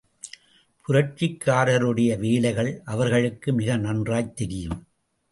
புரட்சிக்காரருடைய வேலைகள் அவர்களுக்கு மிக நன்றாய்த் தெரியும்.